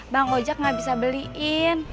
bang ojek nggak bisa beliin